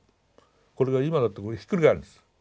これが今だとひっくり返るんです。